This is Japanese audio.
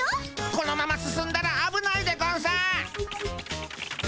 このまま進んだらあぶないでゴンス。